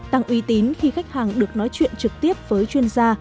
tăng uy tín khi khách hàng được nói chuyện trực tiếp với chuyên gia